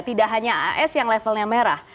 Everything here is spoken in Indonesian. tidak hanya as yang levelnya merah